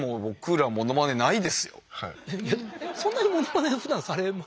そんなにものまねふだんされますか？